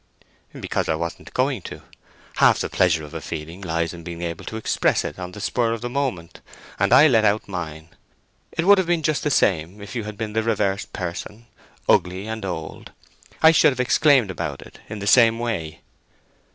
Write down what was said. "Because I wasn't going to. Half the pleasure of a feeling lies in being able to express it on the spur of the moment, and I let out mine. It would have been just the same if you had been the reverse person—ugly and old—I should have exclaimed about it in the same way."